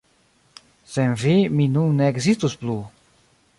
Sen vi mi nun ne ekzistus plu!